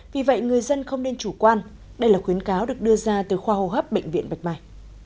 vì vậy người dân không nên chủ quan đây là khuyến cáo được đưa ra từ khoa hô hấp bệnh viện bạch mai